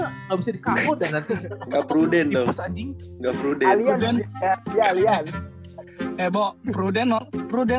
nggak bisa dikawal dan nanti pruden dong anjing nggak pruden dan ya lihat heboh pruden pruden